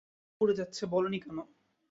আমার গাম্বো পুড়ে যাচ্ছে বলোনি কেন?